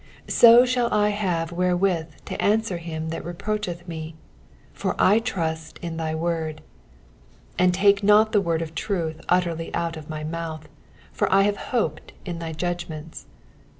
42 So shall I have wherewith to answer him that reproacheth me : for I trust in thy word. 43 And take not the word of truth utterly out of my mouth ; for I have hoped in thy judgments.